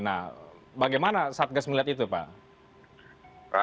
nah bagaimana saat gas melihat itu pak